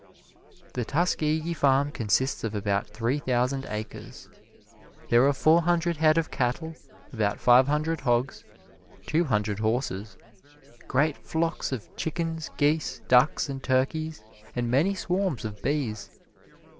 The Tuskegee farm consists of about three thousand acres. There are four hundred head of cattle, about five hundred hogs, two hundred horses, great flocks of chickens, geese, ducks and turkeys, and many swarms of bees.